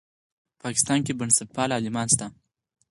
په پاکستان په بنسټپالو عالمانو کې شته.